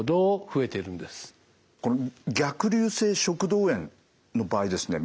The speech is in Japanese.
これ逆流性食道炎の場合ですね